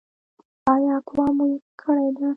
ایا اکو مو کړې ده؟